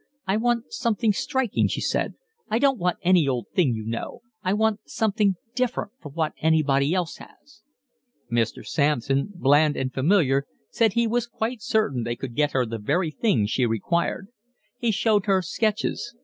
"I want something striking," she said. "I don't want any old thing you know. I want something different from what anybody else has." Mr. Sampson, bland and familiar, said he was quite certain they could get her the very thing she required. He showed her sketches.